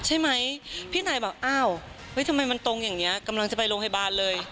ใช่ไหมพี่นายบอกอ้าวเฮ้ยทำไมมันตรงอย่างนี้กำลังจะไปโรงพยาบาลเลย